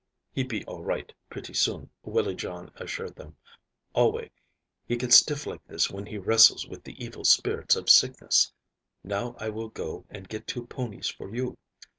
"He be all right, pretty soon," Willie John assured them. "Alway he get stiff like this when he wrestles with the evil spirits of sickness. Now I will go and get two ponies for you."